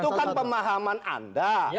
itu kan pemahaman anda